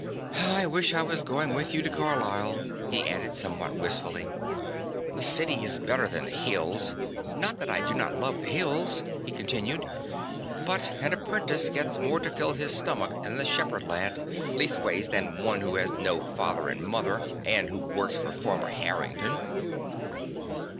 "I wish I was going with you to Carlisle," he added somewhat wistfully; "a city is better than the hills; not that I do not love the hills," he continued, "but an apprentice gets more to fill his stomach than a shepherd lad, leastways than one who has no father and mother and who works for Farmer Harrington."